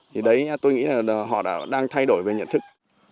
thì đấy tôi nghĩ là họ đã đang thay đổi về nhận thức